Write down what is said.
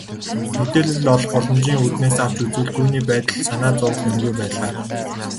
Мэдээлэл олох боломжийн үүднээс авч үзвэл түүний байдалд санаа зовох юмгүй байлаа.